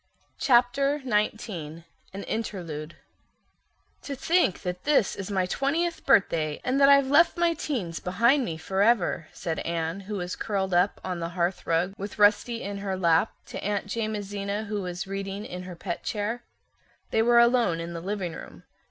Chapter XIX An Interlude "To think that this is my twentieth birthday, and that I've left my teens behind me forever," said Anne, who was curled up on the hearth rug with Rusty in her lap, to Aunt Jamesina who was reading in her pet chair. They were alone in the living room.